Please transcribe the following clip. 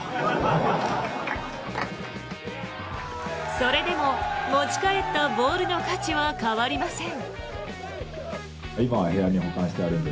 それでも、持ち帰ったボールの価値は変わりません。